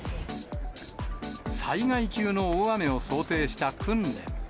災害級の大雨を想定した訓練。